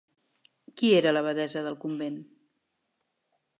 Qui era l'abadessa del convent?